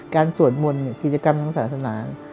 การสวดมนต์กิจกรรมทางสาธารณา